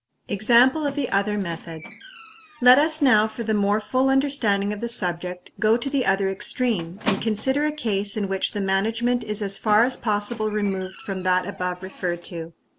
Example of the other Method. Let us now, for the more full understanding of the subject, go to the other extreme, and consider a case in which the management is as far as possible removed from that above referred to.